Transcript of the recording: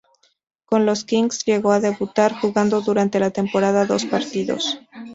Con los Kings llegó a debutar, jugando durante la temporada dos partidos.